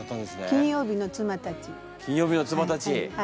「金曜日の妻たちへ」。